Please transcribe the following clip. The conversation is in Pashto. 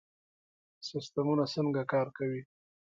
سیستمونه څنګه کار کوي؟